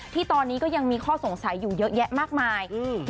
ที่ตอนนี้ก็ยังมีข้อสงสัยอยู่เยอะแยะมากมายอืม